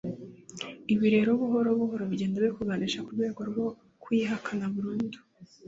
ibi rero buhoro buhoro bigenda bikuganisha ku rwego rwo kuyihakana burundu